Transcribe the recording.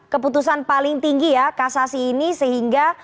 keputusan paling tinggi ya kasasi ini sehingga